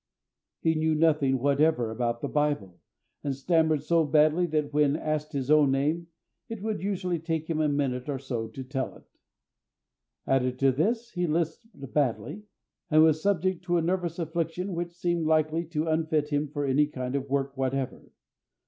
He knew nothing whatever about the Bible, and stammered so badly that, when asked his own name, it would usually take him a minute or so to tell it; added to this, he lisped badly, and was subject to a nervous affliction which seemed likely to unfit him for any kind of work whatever.